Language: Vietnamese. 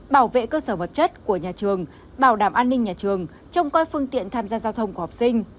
bảo vệ cơ sở vật chất của nhà trường bảo đảm an ninh nhà trường trông coi phương tiện tham gia giao thông của học sinh